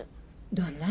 どんな？